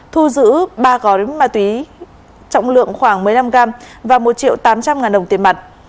thu giữ ba gói ma túy trọng lượng khoảng một mươi năm gram và một triệu tám trăm linh ngàn đồng tiền mặt